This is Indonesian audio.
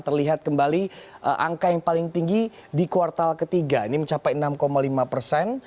terlihat kembali angka yang paling tinggi di kuartal ketiga ini mencapai enam lima persen